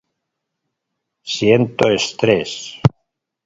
Siento estrés